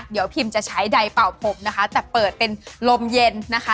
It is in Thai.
เดี๋ยวพิมจะใช้ใดเป่าผมนะคะแต่เปิดเป็นลมเย็นนะคะ